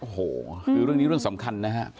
โอ้โหคือเป็นเรื่องสำคัญนะคะ